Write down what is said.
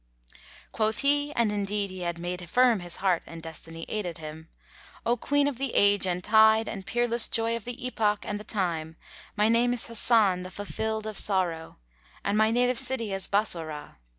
"' Quoth he, and indeed he had made firm his heart and destiny aided him, "O Queen of the age and tide and peerless jewel of the epoch and the time, my name is Hasan the fullfilled of sorrow, and my native city is Bassorah.